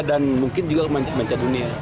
dan mungkin juga ke mancan dunia